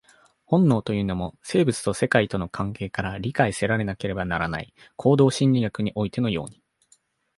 本能というのも、生物と世界との関係から理解せられなければならない、行動心理学においてのように。